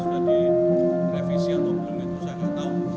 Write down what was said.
sudah direvisi atau belum itu saya nggak tahu